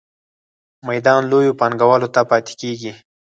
میدان لویو پانګوالو ته پاتې کیږي.